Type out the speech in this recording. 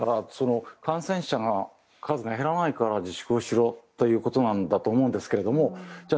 感染者の数が減らないから自粛をしろということなんだと思うんですけどじゃあ